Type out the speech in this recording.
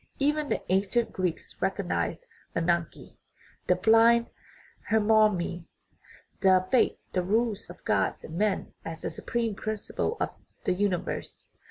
Even the ancient Greeks recognized ananke, the blind heimarmene, the fate "that rules gods and men," as the supreme principle of the universe.